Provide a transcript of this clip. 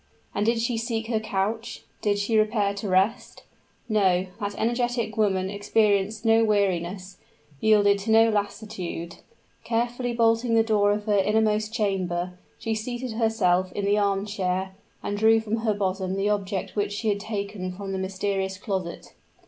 And did she seek her couch? did she repair to rest? No; that energetic woman experienced no weariness yielded to no lassitude. Carefully bolting the door of her innermost chamber, she seated herself in the arm chair and drew from her bosom the object which she had taken from the mysterious closet.